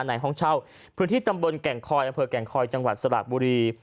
ในห้องเช่าพื้นที่ตำบลแก่งคอยอำเภอแก่งคอยจังหวัดสระบุรี